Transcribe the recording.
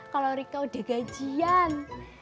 kalau rika udah gajian